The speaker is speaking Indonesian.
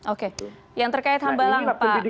oke yang terkait hamba lang pak ramad